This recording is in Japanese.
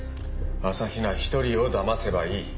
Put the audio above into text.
朝比奈一人をだませばいい。